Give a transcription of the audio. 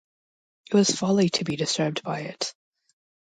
It was folly to be disturbed by it.